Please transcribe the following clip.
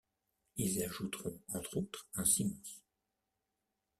Ils ajouteront entre autres un Simons.